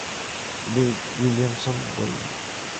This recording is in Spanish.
Bill Williamson vuelve.